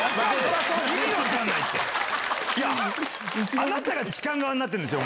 あなたが痴漢側になってるんですよ